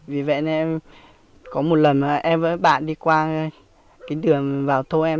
vì vậy nên có một lần em với bạn đi qua đường vào thô em